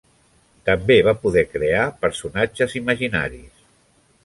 També va poder crear personatges imaginaris.